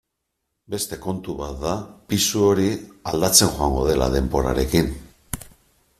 Beste kontu bat da pisu hori aldatzen joango dela denborarekin.